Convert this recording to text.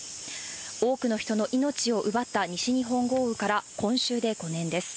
多くの人の命を奪った西日本豪雨から、今週で５年です。